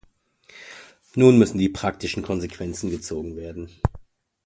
Nun müssen die praktischen Konsequenzen gezogen werden.